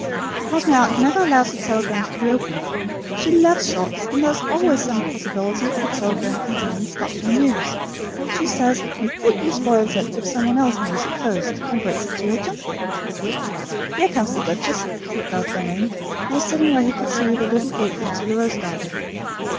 "Because my aunt never allows her telegrams to be opened. She loves shocks; and there is always the possibility of a telegram containing startling news. She says it completely spoils it if some one else knows it first, and breaks it to her gently." "Here comes the duchess," said Garth Dalmain, who was sitting where he could see the little gate into the rose garden.